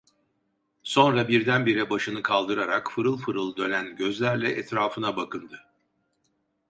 Sonra birdenbire başını kaldırarak fırıl fırıl dönen gözlerle etrafına bakındı.